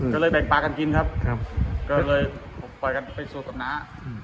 ก็เลยแบ่งปลากันกินครับก็เลยปล่อยกันไปสู่กับน้า